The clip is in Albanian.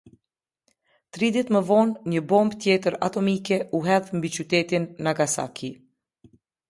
Tri ditë më vonë një bombë tjetër atomike u hedh mbi qytetin Nagasaki.